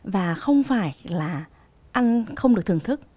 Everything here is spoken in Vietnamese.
và không phải là ăn không được thưởng thức